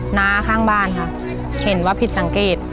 หน้าข้างบ้านค่ะเห็นว่าผิดสังเกต